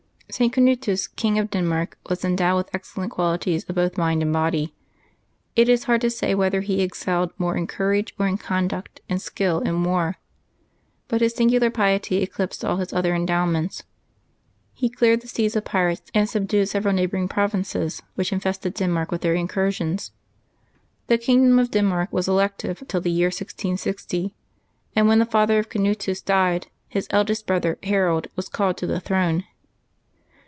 [t. Cai^utus, King of Denmark, was endowed with ex cellent qualities of both mind and body. It is hard to say whether he excelled more in courage or in conduct and skill in war; but his singular piety eclipsed all his other endowments. He cleared the seas of pirates, and subdued several neighboring provinces which infested Den mark with their incursions. The kingdom of Denmark was elective till the year 1660, and, when the father of Canutus died, his eldest brother, Harold, was called to the throne.